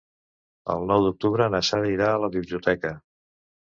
El nou d'octubre na Sara irà a la biblioteca.